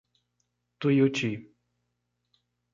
Tuiuti